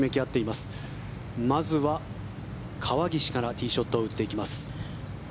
まずは川岸からティーショットを打っていきます。